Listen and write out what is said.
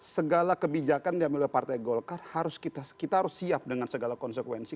segala kebijakan diambil oleh partai golkar kita harus siap dengan segala konsekuensi